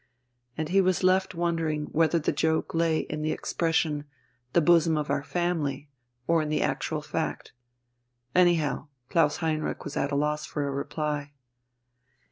And he was left wondering whether the joke lay in the expression "the bosom of our family" or in the actual fact. Anyhow, Klaus Heinrich was at a loss for a reply.